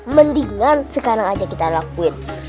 mendingan sekarang aja kita lakuin